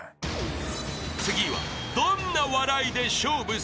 ［次はどんな笑いで勝負する？］